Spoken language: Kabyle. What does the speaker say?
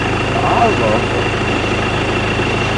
Tɛeṛḍeḍ.